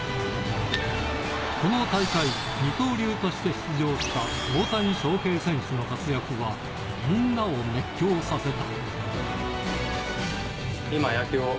この大会、二刀流として出場した大谷翔平選手の活躍は、みんなを熱狂させた。